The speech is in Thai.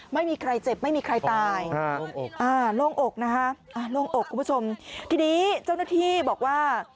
ไม่มีใครเจ็บไม่มีใครตายโล่งอกนะคะโล่งอกคุณผู้ชมทีนี้เจ้าหน้าที่บอกว่า